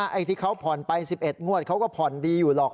ไอ้ที่เขาผ่อนไป๑๑งวดเขาก็ผ่อนดีอยู่หรอก